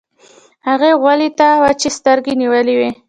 هغې غولي ته وچې سترګې نيولې وې.